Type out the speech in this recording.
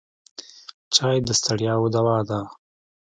چای د ستړیاوو دوا ده.